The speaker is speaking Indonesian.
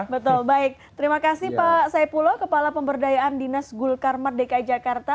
betul baik terima kasih pak saipulo kepala pemberdayaan dinas gul karmat dki jakarta